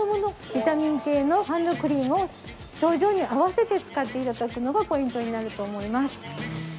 ビタミン系のハンドクリームを症状に合わせて使っていただくのがポイントになると思います。